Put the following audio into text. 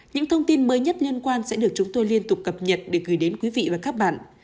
những thông tin mới nhất liên quan sẽ được chúng tôi liên tục cập nhật để gửi đến quý vị và các bạn